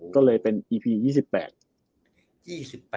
ก็เลยเป็นอีพี๒๘